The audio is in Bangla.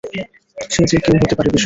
সে যে কেউ হতে পারে বিশু।